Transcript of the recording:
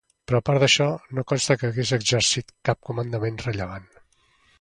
Però a part d'això no consta que hagués exercit cap comandament rellevant.